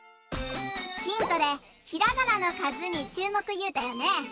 ヒントで「ひらがなのかずにちゅうもく」いうたよね。